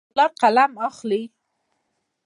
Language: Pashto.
لمسی د پلار قلم اخلي.